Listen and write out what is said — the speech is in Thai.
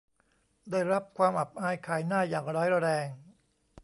ได้รับความอับอายขายหน้าอย่างร้ายแรง